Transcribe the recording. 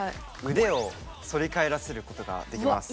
腕を反り返らせることができます。